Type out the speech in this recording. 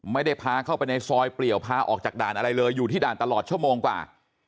ไม่ได้พาเข้าไปในซอยเปลี่ยวพาออกจากด่านอะไรเลยอยู่ที่ด่านตลอดชั่วโมงกว่า